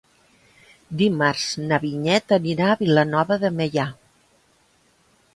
Dimarts na Vinyet anirà a Vilanova de Meià.